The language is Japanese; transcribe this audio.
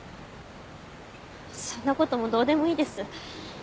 そんな事もうどうでもいいです。